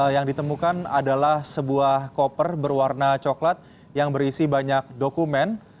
yang ditemukan adalah sebuah koper berwarna coklat yang berisi banyak dokumen